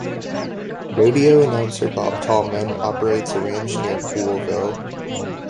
Rodeo announcer Bob Tallman operates a ranch near Poolville.